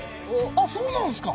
そうなんですか。